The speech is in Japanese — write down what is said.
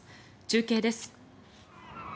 中継です。